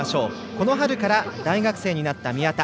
この春から大学生になった宮田。